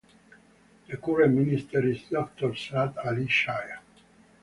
The current minister is Doctor Saad Ali Shire.